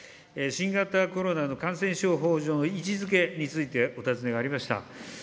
新型コロナの感染症法上の位置づけについてお尋ねがありました。